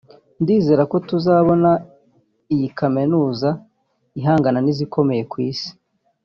ndizera ko tuzabona iyi Kaminuza ihangana n’izikomeye ku Isi